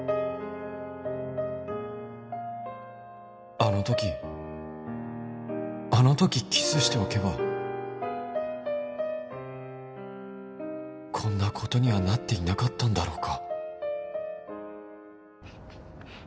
あの時あの時キスしておけばこんな事にはなっていなかったんだろうか？